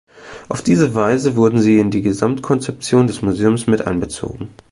Auf diese Weise wurden sie in die Gesamtkonzeption des Museums mit einbezogen.